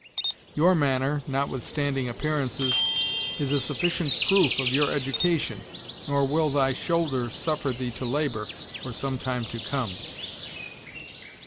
Your manner, notwithstanding appearances, is a sufficient proof of your education, nor will thy shoulder suffer thee to labor, for some time to come."